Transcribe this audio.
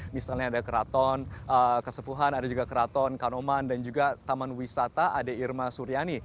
misalnya ada keraton kesepuhan ada juga keraton kanoman dan juga taman wisata ade irma suryani